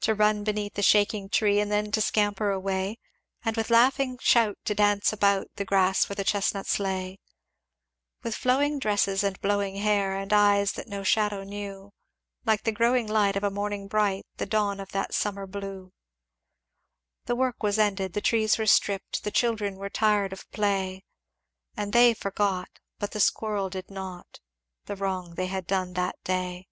"To run beneath the shaking tree, And then to scamper away; And with laughing shout to dance about The grass where the chestnuts lay. "With flowing dresses, and blowing hair, And eyes that no shadow knew, Like the growing light of a morning bright The dawn of the summer blue! "The work was ended the trees were stripped The children were 'tired of play.' And they forgot (but the squirrel did not) The wrong they had done that day."